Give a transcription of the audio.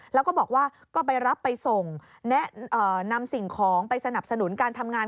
แล้วก็บอกว่านำสิ่งคล้องไปสนับสนุนการทำงาน